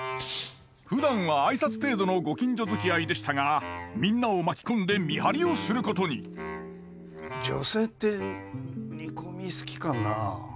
ふだんは挨拶程度のご近所づきあいでしたがみんなを巻き込んで見張りをすることに女性って煮込み好きかなあ。